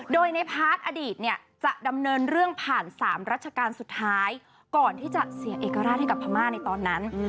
โดยในพาร์ทอดีตเนี่ยจะดำเนินเรื่องผ่าน๓รัชกาลสุดท้ายก่อนที่จะเสียเอกราชให้กับพม่าในตอนนั้น